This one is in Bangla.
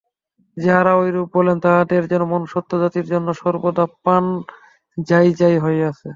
যাঁহারা ঐরূপ বলেন, তাঁহাদের যেন মনুষ্যজাতির জন্য সর্বদা প্রাণ যায় যায় হইয়াছে।